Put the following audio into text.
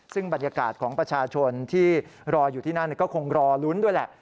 ซึ่งบรรยากาศของประชาชนที่รออยู่ที่นั่นก็คงรอลุ้นด้วยแหละ